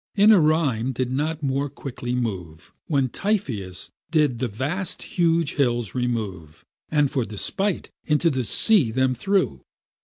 Inarime did not more quickly move, When Typheus did the vast huge hills remove, And for despite into the sea them threw.